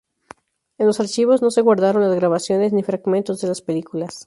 En los archivos no se guardaron las grabaciones, ni fragmentos de las películas.